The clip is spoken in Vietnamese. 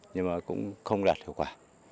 nhưng mà cũng không đạt hiệu quả